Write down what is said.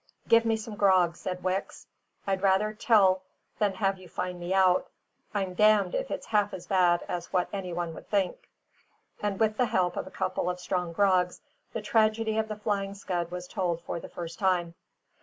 "Give me some grog," said Wicks. "I'd rather tell than have you find out. I'm damned if it's half as bad as what any one would think." And with the help of a couple of strong grogs, the tragedy of the Flying Scud was told for the first time.